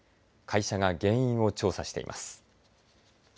会社が原因を調査しています。